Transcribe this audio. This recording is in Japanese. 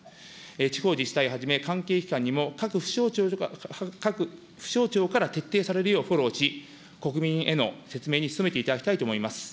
地方自治体はじめ、関係機関にも各府省庁、各府省庁から徹底されるようフォローし、国民への説明に努めていただきたいと思います。